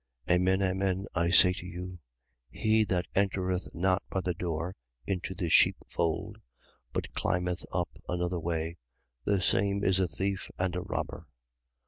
10:1. Amen, amen, I say to you: He that entereth not by the door into the sheepfold but climbeth up another way, the same is a thief and a robber.